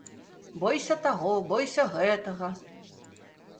Бойся таго, бойся гэтага.